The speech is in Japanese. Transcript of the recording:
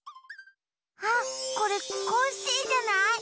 あっこれコッシーじゃない？